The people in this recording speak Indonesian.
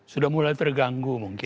sudah mulai terganggu mungkin